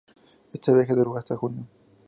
Este viaje duro hasta junio.